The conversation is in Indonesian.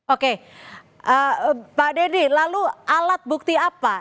oke pak dedy lalu alat bukti apa